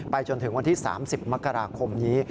จนถึงวันที่๓๐มกราคมนี้